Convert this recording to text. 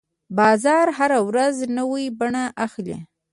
بازار هره ورځ نوې بڼه اخلي.